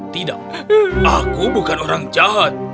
tidak aku bukan orang jahat